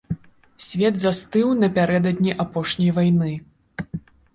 Свет застыў напярэдадні апошняй вайны.